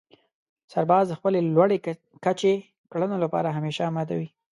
سرباز د خپلې لوړې کچې کړنو لپاره همېشه اماده وي.